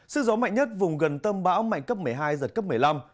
sức gió mạnh nhất vùng gần tâm bão mạnh cấp một mươi hai giật cấp một mươi năm